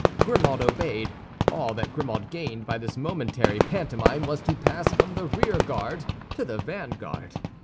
Grimaud obeyed. All that Grimaud gained by this momentary pantomime was to pass from the rear guard to the vanguard.